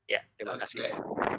ya terima kasih